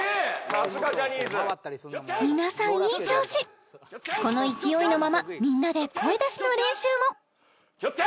さすがジャニーズ皆さんいい調子この勢いのままみんなで気をつけ！